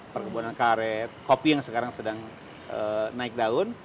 perkebunan karet kopi yang sekarang sedang naik daun